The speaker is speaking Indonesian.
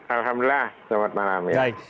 alhamdulillah selamat malam